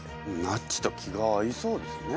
なっちと気が合いそうですね。